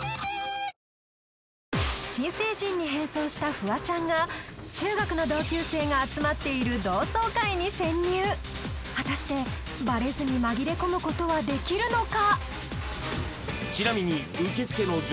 ピンポーンが中学の同級生が集まっている同窓会に潜入果たしてバレずに紛れ込むことはできるのか？